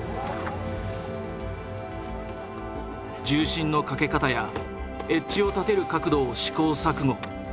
重心のかけ方やエッジを立てる角度を試行錯誤。